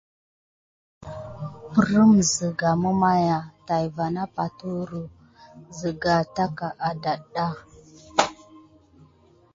Prəŋ ziga mimakia tät van na paturu singa tákà aɗakiɗa.